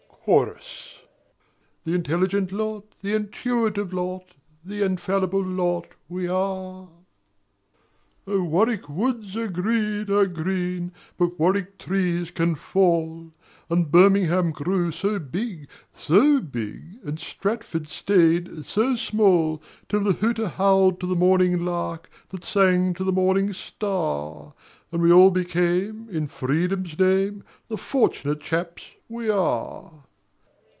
Chorus The intelligent lot, the intuitive lot, The infallible lot we are. O Warwick woods are green, are green, But Warwick trees can fall: And Birmingham grew so big, so big, And Stratford stayed so small. Till the hooter howled to the morning lark That sang to the morning star; And we all became, in freedom's name, The fortunate chaps we are.